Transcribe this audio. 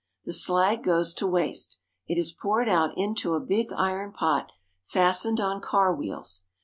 The slag goes to waste. It is poured out into a big iron pot fastened on car wheels.